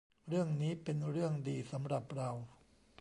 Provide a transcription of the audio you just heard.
เรื่องนี้เป็นเรื่องดีสำหรับเรา